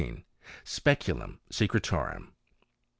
Speculum Secretorum.